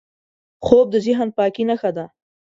خوب د ذهن پاکۍ نښه ده